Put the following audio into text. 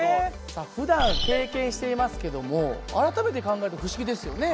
さあふだん経験していますけども改めて考えると不思議ですよね。